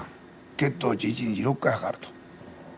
血糖値一日６回測ると。